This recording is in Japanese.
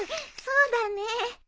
そうだね。